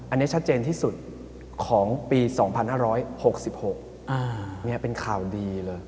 อันนี้ชัดเจนที่สุดของปี๒๕๖๖เป็นข่าวดีเลย